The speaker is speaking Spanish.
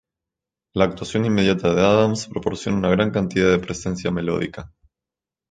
La actuación inmediata de Adams proporciona una gran cantidad de presencia melódica.